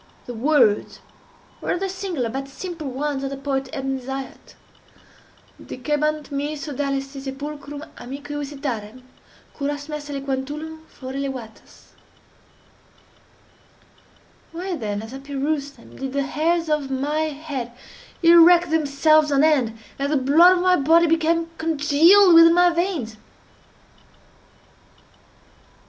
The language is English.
The words were the singular but simple ones of the poet Ebn Zaiat:—"Dicebant mihi sodales si sepulchrum amicae visitarem, curas meas aliquantulum fore levatas." Why then, as I perused them, did the hairs of my head erect themselves on end, and the blood of my body become congealed within my veins?